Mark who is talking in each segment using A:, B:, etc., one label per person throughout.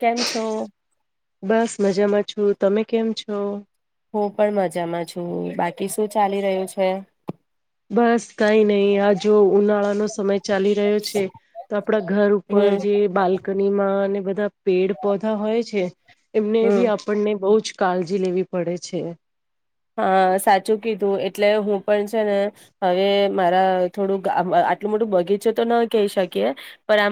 A: કેમ છો?
B: [inaudible] બસ મજા માટે છું તમે કેમ છો?
A: હું પણ મજામાં છું બાકી શું ચાલી રહ્યું છે?
B: બસ કઈ નહી આ જો ઉનાળાનોો સમય ચાલી રહ્યો છે તો આપડા ઘર ઉપર
A: હમ
B: જે બાલ્કનીમાં બધ પેડ પધા હોય છે એમને બી
A: હમ
B: આપણને બહ જ કાળજી લેવી પડે છે,
A: હા, સાચું કીધું એટલે હું પણ છે ને હવે મારા થોડુંક આટલું મોટું બગીચે તો ન કહી શકીએ, પણ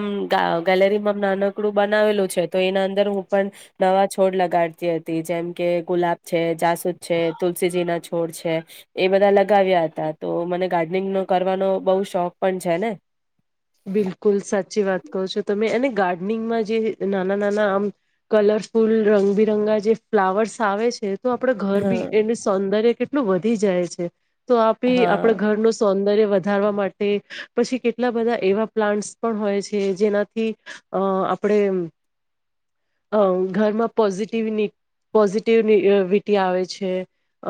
A: આમ ગેલેરીમાં નાનકડું બનાવેલું છે, તો એના અંદર હું પણ નવા છોડ લગાડતી હતી જેમ કે ગુલાબ છે, જાસુદ છેલ છોડ છે એ બધા લગાવ્યા હતા તો મને ગાર્ડનિંગ નો કરવાનો બ શોખ છે ને.
B: બિલકુલ સાચી વાત કરો છો, તમે એને ગાર્ડનિંગમાં જે નાના નાના આમ કલરફુલ રંગબિરંગા જે ફ્લાવર્સ આવે છે, તો આપડ ઘર બી
A: હા
B: એને સૌંદર્ય કે કેટલું વધી જાય છે તો આપી
A: હા
B: આપણા ઘર નું સૌંદર્ય વધારવા માટે પછી કેટલા બધા એવા પ્લાન્ટ્સ પણ હોય છે જેનાથી અ આપણે અ ઘરમાં પોઝિટિવ પોઝિટિવવિટી આવે છે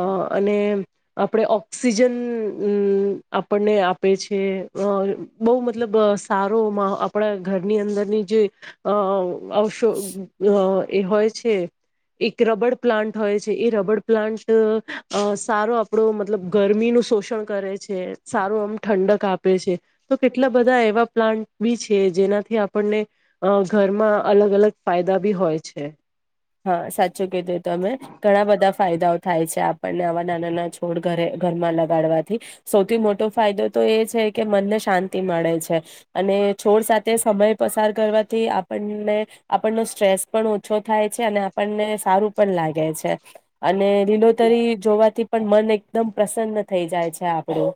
B: અ અને આપણે ઓક્સિજનમ આપણને આપે છે અ બહુ મત મતલબ સારો આપણા ઘરની અંદરની જે અ અશો એ હોય છે એક રબડ પ્લાન્ટ હોય છે એ રબડ પ્લાન્ટ સારો આપણો મતલબ ગરમીનો શોષણ કરે છે સારું આમ ઠંડક આપે છે તો કે એટલા બધા એવા પ્લાન્ટ બી છે જેનાથી આપણને ઘરમાં અલગ અલગ ફાયદા બી હોય છે
A: હા સાચું કીધું તો અમે ઘણા બધા ફાયદા થાય છે આપણને આવા નાનાના છોડ ઘ ઘરમાં લગાડવાથી સૌથી મોટો ફાયદો તો એ છે કે મનને શાંતિ મળે છે અને છોડ સાથે સમય પસાર કરવાથી આપ આપણનો સ્ટ્રેસ પણ ઓછો થાય આપણને સારું પણ લાગે છે અને લીલોતરી જોવાથી પણ મન એકદમ પ્રસન્ન થઈ જાય છે આપણું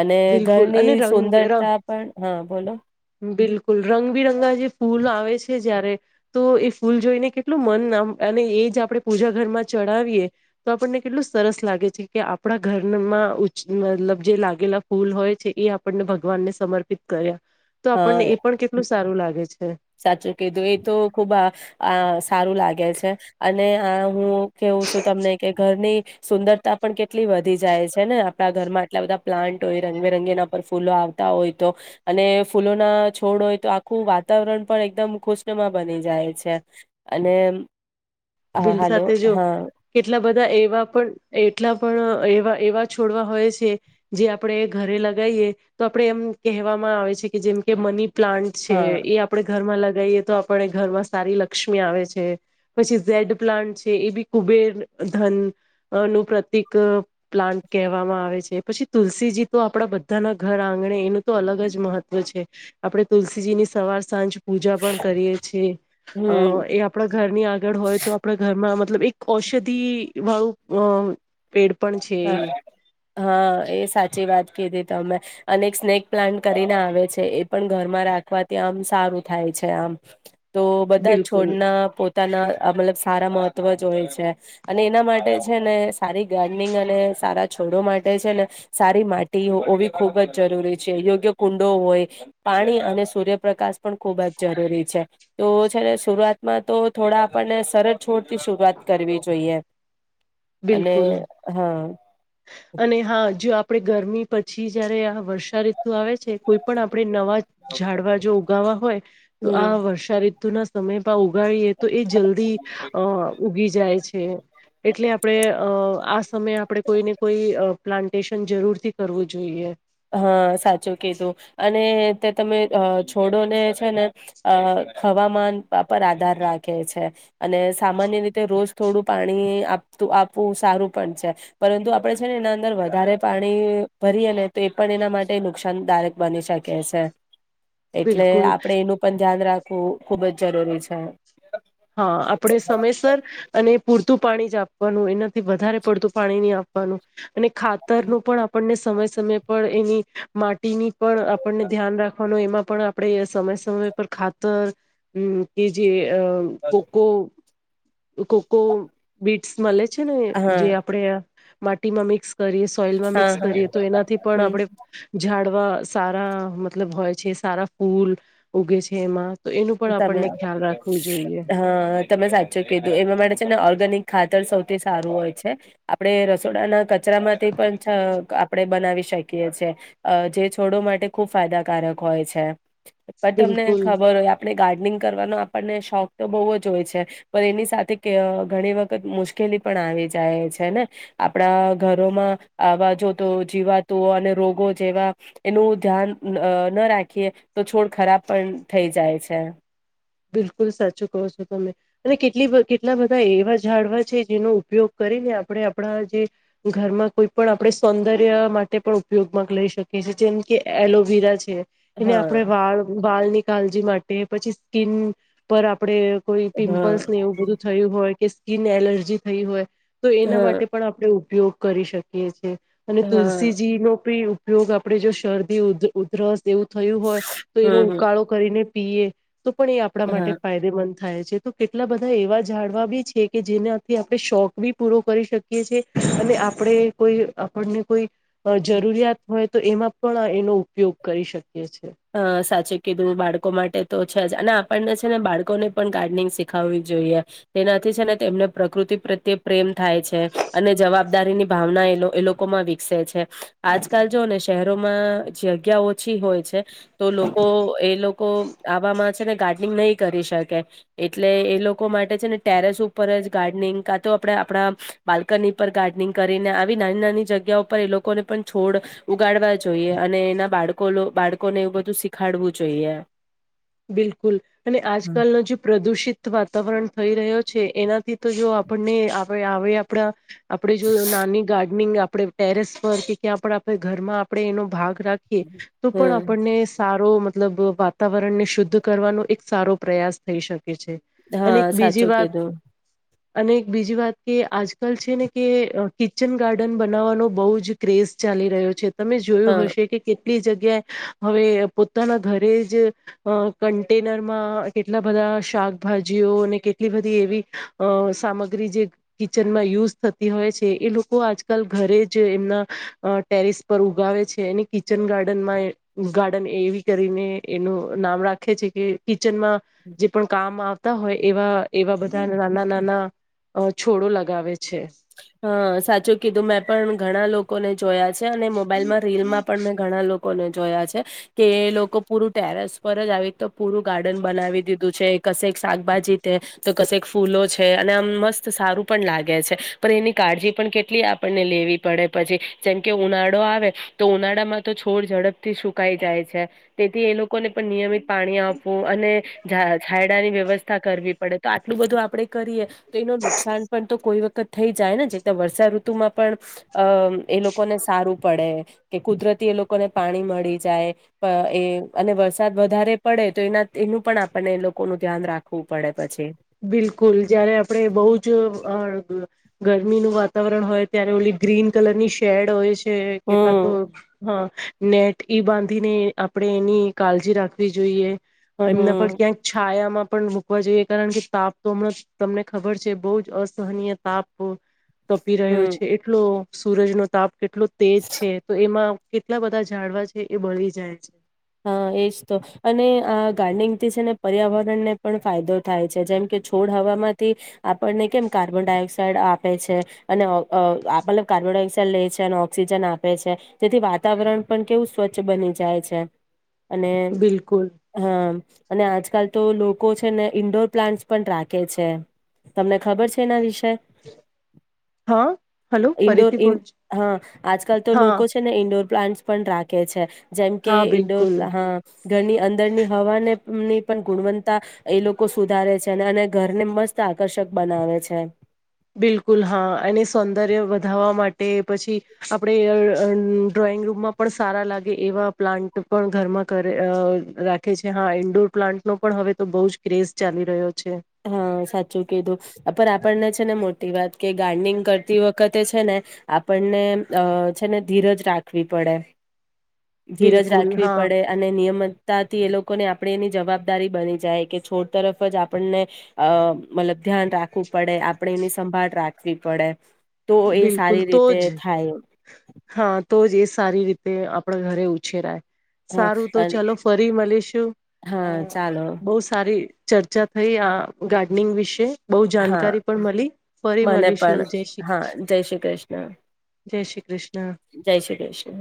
A: અને
B: બિલકુલ
A: ઘરની
B: અને રંગ
A: સુંદરતા
B: રંગ
A: પણ હા બોલો
B: બિલકુલ રંગબિરંગા જે ફૂલ આવે છે જયારે તો એ ફૂલ જોઈને કેટલું મન નામ અને એ જ આપણે પૂજા ઘરમાં ચડાવીએ તો આપણને કેટલું સરસ લાગે છે કે આપણા ઘરમાં મતલબ જે લાગેલા ફૂલ હોય છે એ આપણને ભગવાનને સમર્પિત કર્યા તો
A: હા
B: આપણને એ પણ કેટલું સારું લાગે છે
A: સાચું કીધું એ તો ખુબ આ સારું લાગે છે અને આ હું કેવું છું તમને કે ઘરની સુંદરતા પણ કેટલી વધી જાય છે ને આપણા ઘરમાં આટલા બધા પ્લાન્ટ હોય રંગબેરંગી એના પર ફૂલો હોય તો અને ફૂલો ના છોડ હોય તો આખું વા વાતાવરણ પણ એકદમ ખુશ્ણમાં બની જાય છે અને
B: બિલ
A: હાલો
B: સાથે જો
A: હા
B: કેટલા બધા એવા પણ એટલા પણ એવા એવા છોડવા હોય છે જે આપણેે ઘરે લગાવ એ તો આપડે એમ કહેવામાં આવે છે કે જેમ કે મની પ્લાન્ટ છે
A: હા
B: એ આપડણે ઘરમાં લગાવએ તો આપણે ઘરમાં સારી લક્ષ્મી આવે છે પછી ઝેડ પ્લાન્ટ છે એ બી કુબેર ધન નું પ્રતિક પ્લાન્ટ કહેવાવામાં આવે છે પછી તુલસીજી તો આપડા બધા ના ઘર આંગણે એનું તો અલગ જ મહત્વ છે આપડણે તુલસીજીની સવાર સાંજ પૂજા પણ કરીએ છેએ અ
A: હમ
B: એ આપણા ઘરની આગળ હોય તો આપણા ઘરમાં મતલબ એક ઔષધિ વાળું અ પેડ પણ છે
A: હા હા એ સાચી વાત કીધી તમે અને સ્નેક પ્લાન્ટ કરીને આવે છે એ પણ ઘરમાં રાથી આમ સારું થાય છે આમ તો બધા
B: બિલકુલ
A: છોડના પો તાના મતલબ સારા મહત્વ જ હોય છે અને એના માટે છે ને સારી ગાડી અને સારા છોડો માટે છે ને સારી માટી હોવી ખૂબ જ જરૂરી છે યોગ્ય ડો હોય પાણી અને સૂર્યપ્રકાશ પણ ખુબ જ જરૂરી છે. તો છેને શુરુઆતમાં તો થોડા આપણને સરળ છોડથી શુરૂઆત કરવી જોઈએ. અને
B: બિલકુલ,
A: હા
B: અને હા જો આ પળે ગરમી પછી જયારે આ વર્ષા ઋતુ આવે છે કોઈ પણ આપણે નવા ઝાડવા જો ઉગાવા હોય તો
A: હમ
B: આ વર્ષા ઋતુના સમય પા ઉગાડીએ તો એ જલ્દી અ ઉગી જાય છે. એટલે આ અહ આ સમયે આપણે કોઈને કોઈ અ પ્લાન્ટેશન જરૂર થી કરવું જોઈએ.
A: હા, સાચું કીધું અને તે તમે અ છોડોને છે ને અ હવામાન પા પર આધાર રાખે છે અને સામાન્ય રીતે રોજ થોડું પાણી આ પતુ આપવું સારું પણ છે. પરંતુ આપડે છે ને એના અંદર વધારે પાણી ભરીએ ને તો એ પણ એના માટે નુકસાનદાયક બની શકે છે, એટલે
B: બિલકુલ
A: આપડે એનું પણ ધ્યાન રાખવું ખુબ જ જરૂરી છે,
B: હા આપણે સમયસર અને પૂરતું પાણી જ આપવાનું એનાથી વધારે પડતું પાણી નહી આપવાનું, અને ખાતર નું પણ આપણને સમય સમય પણ એની માટીની પણ આપણને ધ્યાન રાખવાનું એમાં પણ આપણે સમય સમય ખાતર કે જે અ કોકો કોકો બીટ્સ મળે છે, ને
A: હા
B: જે આપડે માટીમાં મિક્સ કરીએ સોઈલમાં
A: હા
B: મિક્સ
A: હા
B: કરીએ, તો એનાથી પણ
A: હમ
B: આપણે ઝાડ અવા સારા મતલબ હોય છે, સારા ફૂલ ઉગે છે એમાં તો એનું પણ આપણને
A: તમે
B: ખ્યાલ રાખવું જોઈએ.
A: હા તમે સાચો કીધું એમાં માટે છે ને ઓર્ગેનિક ખાતર સૌથી સારું હોય છે, આપડણે રસોડાના કચ છરામાંથી પણ આપણે બનાવી શકીએ છીએ, જે છોડો માટે ખુબ ફાયદાકારક હોય હોય છે, પણ તમને
B: બિલકુલ
A: ખબર હોય ગાર્ડનિંગ કરવાનો આપણને શોખ તો બહુ જ હોય છે, પણ એની સાથે ઘણી વખત મુશ્કેલી આવી જાય છેને આપણા ઘરોમાં આવા જો તો જીવાતું અને રોગો જેવા એનું ધ્યાન ના રાખીએ તો છોડ ખરાબ પણ થઈ જાય છે. છે
B: બિલકુલ સાચું કહો છો, તમે અને કેટલી કેટલા બધા એવા ઝાડવા છે જેનો ઉપયોગ કર આપણે આપણા જે ઘરમાં કોઈ પણ આપણે સૌંદર્ય માટે પણ ઉપયોગમાં લઈ શકી. જેમ કે એલોવેરા છે, એને
A: હા
B: આપણે વાળ વાળ ની કાળજી માટે પછી સ્કીિન પર આપડે, કોઈ
A: હા
B: પિમ્પલ્સ ને એવું બધું થયું હોય, કે સ્કીિન એલર્જી થઈ હોય તો એના
A: હા
B: માટે પણ આપણે ઉપયોગ કરી શકીએ છીએ, અને
A: હા
B: તુલસીજી નો પણી ઉપયોગ આપણે જો શરદી ઉ ઉધરસ એવું થયું હોય તો એનો
A: હમ
B: ઉકાળો કરીને પીએ તો પણ એ આપણા
A: હમ
B: માટે
A: હા
B: ફાયદેમંદ થાય છે તો કેટલા બધા એવા જાઝાડવા બી છે કે જેનાથી આપણે શોખ બી પૂરો કરી શકીએ છે, અને આપડે કોઈ આપણને કોઈ જરૂરિયાત હોય તો એમાં પણ એનો ઉપયોગ કરી શકે,
A: હ સાચી કીધું બાળકો માટે તો છે જ અને આપણને છે, ને બાળકોને પણ ગાર્ડનિંગ શીખાવવી જોઈએ તેના ને તેમને પ્રકૃતિ પ્રત્યે પ્રેમ થાય છે, અને જવાબદારી ની ભાવના એ એ લોકોમાં આજકાલ જો ને શહેરોમાં જગ્યા ઓછી હોય છે, તો લોકો એ લોકો આવામાં છે ને ગાર્ડનિંગ નહી કરી શકે, એટલે એ માટે છે ને ટેરેસ ઉપર જ ગાર્ડનિંગ કા તો આપણે આપણા બાલ્કની ઉપર ગાર્ડનિંગ કરીને, આવી નાની નાની જગ્યાઓ ઉપર એ લોકોને પણ છોડ ઉગાડવા જોઈએ, અને એના બાળકો બાળ ળકોને એવું બધું શીખાડવું જોઈએ.
B: બિલકુલ અને
A: હમ.
B: આજકાલનો જે પ્રદુષિત વાતાવરણ થઈ રહ્યો છે એનાથી તો જો આપણને આપડે આવે આપડા આપડે જો નાની ગાર્ડનિંગ આપડે ટેરેસ પર કે આપડે આપડા ઘર માં આપડે એનો ભાગ રાખીએ તો પણ
A: હમ
B: આપણને સારું રો મતલબ વાતાવરણને શુદ્ધ કરવાનો એક સારો પ્રયાસ થઈ શ કે છે અને એક
A: હા
B: બીજી
A: સાચું
B: વાત
A: કીધું
B: અને એક બીજી વાત કે આજકાલ છે, ને કે કિચન ગાર્ડન બનાવવાનો બહુ જ ક્રેઝ ચાલી રહ્યો છે, તમે જોયું
A: હા.
B: હશે કે કેટલી જગ્યાએ હવે પોતાના ઘરે જ અ કન્ટેનરમાં કેટલા બધા શાકભાજીઓ અને કેટલી બધી એવી અ સામગ્રી જે કિચનમાં યુઝ થતી હોય છે એ લોકો આજકાલ ઘરે જ એમના અ ટેરિસ પર ઉગાવે છે, એને કિચન ગાર્ડન માં ગાર્ડન એવી કરીને એનો નામ રાખે છે કે કિચનમાં જે પણ કામ આવતા હોય એવા એવા બધા નાના નાના છોડો લગાવે છે,
A: હા, સાચું કીધું. મેં પણ ઘણા લોકોને જોયા છે અને મોબાઈલમાં રીલમાં પણ મેં ઘણા લો કોને જોયા છે કે એ લોકો પૂરું ટેરેસ પર જ આવી રીતે પૂરું ગાર્ડન બનાવી દીધું છે. કશેક શાકભાજી તે, તો કશેક ફૂલો છે અને આમ મસ્ત સારું પણ લાગે છે. પર એની કાળજી પણ કેટલી આપણને લેવી પડે પછી. જેમકે ઉનાળો આવે તો ઉનાળામાં તો છોડ ઝડપથી સુકાઈ જાય છે. તેથી એ લોકોને પણ નિયમિત પાણી આ પવું અને જા છાયડાની વ્યવસ્થા કરવી પડે. તો આટલું બધું આપડે કરીએ તો એનું નુકસાન પન તો કોઈ વખત થઈ જાય ને. જે ત્યાં વર્ષા ઋતુમાં પણ અમ એ લોકોને સારું પડે. કે કુદરતી એ લોકોને પાણી મળી જાય અ એ અને વરસાદ વધારે પડે તો એના તેનું પણ આપણને એ લોકોનું ધ્યાન રાખવું પડે. પછી
B: બિલકુલ, જયારે આપડે બઉ જ અ ગરમીનું વાતાવરણ હોય ત્યારે ઓલી ગ્રીન કલર ની શેડ હોય છે કે કા તો
A: હમ
B: હા નેટ ઈ બાંધીને આપડે એની કાળજી રાખવી જોઈએ. અ એમના પર
A: હમ
B: ક્યાંક છાયામાં પણ મૂકવા જોએ. કારણ કે તાપ તો હમણાં તમને ખબર છે બહુ જ અસહનીય તાપ તપી રહ્યો
A: હમ
B: છે એટલો સૂરજનો તાપ કેટલો તેજ છે તો એમાં કેટલા બધા જાડવા છે એ બળી જાય છે
A: હા એજ તો અને આ ગાર્ડનિંગથી છે ને પર્યાવરણને પણ ફાયદો થાય છે જેમ કે છોડ હવામાંથી આપણને કેમ કાર્બન ડાયોક્સાઇડ આપે છે અને અ અ આપ કાર્બન ડાયોક્સાઇડ લે છે અને ઓક્સિજન આપે છે જેથી વાતાવરણ પણ કેવું સ્વચ્છ બની જાય છે અને
B: બિલકુલ
A: હા અને આજ કાલ તો લોકો છે ને ઇન્ડોર પ્લાન્ટસ પણ રાખે છે તમને ખબર છે એના વિશે શે
B: હા હલો
A: ઇન્ડોર
B: ફરીથી
A: ઇન
B: બોલ
A: હા આજકાલ તો
B: હા
A: લોકો છે ને ઇન્ડોર પ્લાન્ટસ પણ રાખે છે જેમ કે
B: હા
A: ઈન્ડોર
B: બિલકુલ
A: હા ઘરની અંદરની હવાને ની પણ ગુણવત્તા એ લોકો સુધારે છે અને અને ઘરને મસ્ત આકર્ષક બનાવે છે
B: બિલકુલ તે પછી આપણે ડ્રોઈંગ રૂમમાં પણ સારા લાગે એવા પ્લાન્ટ પણ ઘરમાં કરે અ રાખે છે હા ઇન્ડોર પ્લાન્ટ નો પણ હવે તો બહુ જ ક્રેઝ ચાલી રહ્યો છે
A: હા સાચું કીધું પર આપણને છે ને મોટી વાત કે ગાર્ડનિંગ કરતી વખતે છે ને આપણને છે ને ધીરજ રા ખવી પડે ધીરજ
B: બિલકુલ
A: રાખવી
B: હા
A: પડે અને નિયમ તાથી એ લોકોને આપણે એની જવાબદારી બની જાય કે છોડ તરફ જ આપણને અ મતલબ ધ્યાન રાખવું પડે આપણે એની સંભાળ રાખવી પડે તો એ
B: બિલકુલ
A: સારી
B: તો
A: રીતે
B: જ
A: થાય
B: હા તો જ એ સારી રીતે આપણા ઘરે ઉછેરાય
A: હા
B: સારું, તો
A: અન
B: ચાલો ફરી મલીશું અ
A: હા ચાલો
B: બઉ સારી ચર્ચા થઈ આ ગાર્ડનિંગ વિશે બઉુ
A: હા
B: જાણકારી પણ મળી ફરી
A: મને
B: મળીશું
A: પણ
B: જય શ્રી
A: હા
B: કૃષ્ણ
A: જય શ્રી કૃષ્ણ
B: જય શ્રી કૃષ્ણ
A: જય શ્રી ક્રિષ્ન.